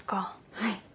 はい。